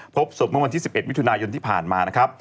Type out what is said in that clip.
พบสมมุติวันที่๑๑วิทยุนายนที่ผ่านมานะครับ